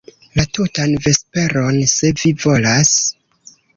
La tutan vesperon, se vi volas.